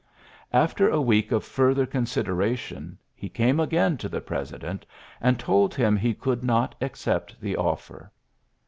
After a week of further consideration he came again to the president, and told him he could not accept the offer.